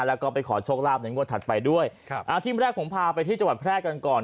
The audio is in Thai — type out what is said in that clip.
แล้วก็ไปขอโชคลาภในงวดถัดไปด้วยครับอ่าทีมแรกผมพาไปที่จังหวัดแพร่กันก่อน